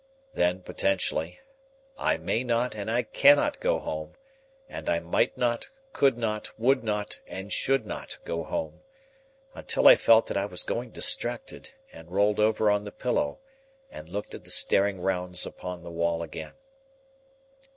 Then potentially: I may not and I cannot go home; and I might not, could not, would not, and should not go home; until I felt that I was going distracted, and rolled over on the pillow, and looked at the staring rounds upon the wall again.